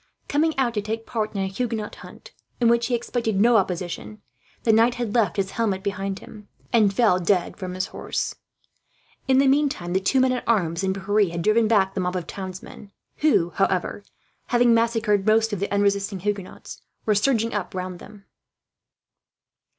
Coming out to take part in a Huguenot hunt, in which he expected no opposition, the knight had left his helmet behind him; and fell from his horse, with his head half severed from his body. In the meantime the two men at arms and Pierre had driven back the mob of townsmen; who, however, having massacred most of the unresisting Huguenots, were surging up round them.